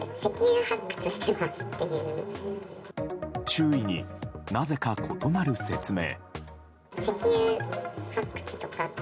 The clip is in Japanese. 周囲になぜか異なる説明。